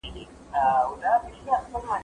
زه انځورونه رسم کړي دي